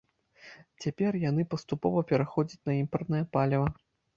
Цяпер яны паступова пераходзяць на імпартнае паліва.